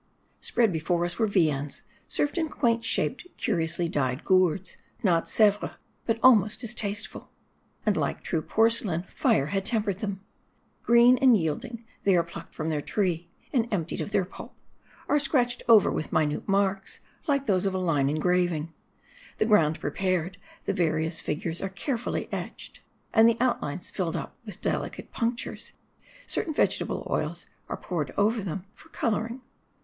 Spread before us were viands, served in quaint shaped, curiously dyed gourds, not Sevres, but almost as tasteful ; and like true porcelain, fire had tempered them. Green and yielding, they are plucked from the tree ; and emptied of their pulp, are scratched over with minute marks, like those of a line engraving. The ground prepared, the various figures are carefully etched. And the outlines filled up with delicate punctures, certain vegetable oils are poured over them, for coloring.